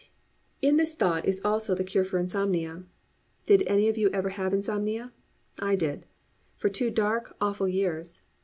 In this thought is also the cure for insomnia. Did any of you ever have insomnia? I did. For two dark, awful years.